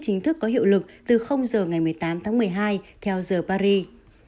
chính thức có hiệu lực từ giờ ngày một mươi tám tháng một mươi hai theo giờ paris